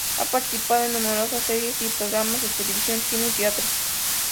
Ha participado en numerosas series y programas de televisión, cine y teatro.